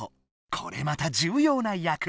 これまた重要な役。